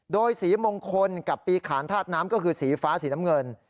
โดยสีมงคลกับปีขานธาตุน้ำก็คือสีฟ้าสีน้ำเงิน